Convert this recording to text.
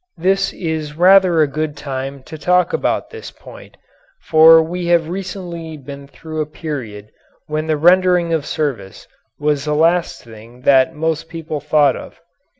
This is rather a good time to talk about this point, for we have recently been through a period when the rendering of service was the last thing that most people thought of.